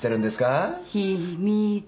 秘密。